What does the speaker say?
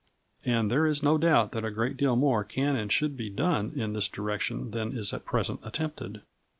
And there is no doubt that a great deal more can and should be done in this direction than is at present attempted.